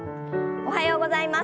おはようございます。